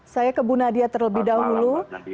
saya ke bu nadia terlebih dahulu